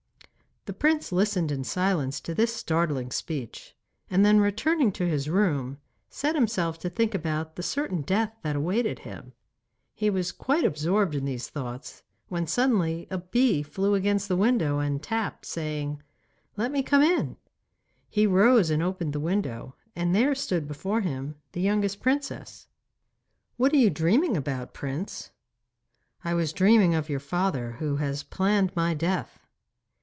The prince listened in silence to this startling speech, and then returning to his room set himself to think about the certain death that awaited him. He was quite absorbed in these thoughts, when suddenly a bee flew against the window and tapped, saying, 'Let me come in.' He rose and opened the window, and there stood before him the youngest princess. 'What are you dreaming about, Prince?' 'I was dreaming of your father, who has planned my death.